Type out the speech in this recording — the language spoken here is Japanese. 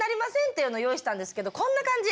っていうのを用意したんですけどこんな感じ。